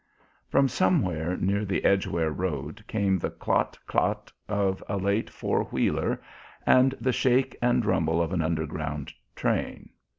From somewhere near the Edgware Road came the clot clot of a late four wheeler and the shake and rumble of an underground train.